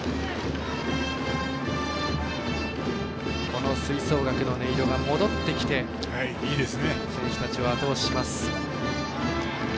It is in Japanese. この吹奏楽の音色が戻ってきて選手たちをあと押しします。